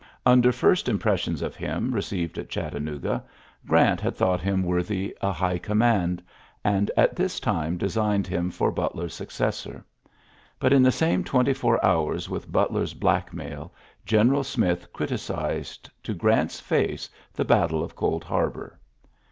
Under flist impressions of him received at Ghait tanooga, Grant had thought him woitty ULYSSES S. GEAIIT 109 a high command; and at this time de signed him for Butler's successor. But in the same twenty four hours with Butler's blackmail, General Smith criti cised to Grant's face the battle of Cold Harbor.